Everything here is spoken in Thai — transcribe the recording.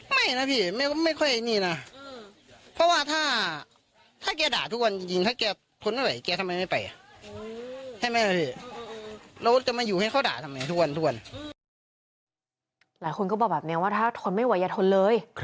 หลายคนก็บอกแบบนี้ว่าถ้าทนไม่ไหวอย่าทนเลย